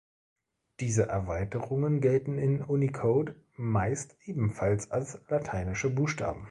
Diese Erweiterungen gelten in Unicode meist ebenfalls als lateinische Buchstaben.